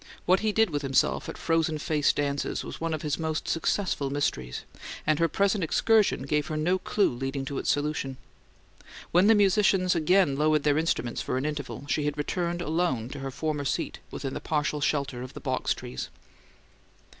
What he did with himself at frozen face dances was one of his most successful mysteries, and her present excursion gave her no clue leading to its solution. When the musicians again lowered their instruments for an interval she had returned, alone, to her former seat within the partial shelter of the box trees.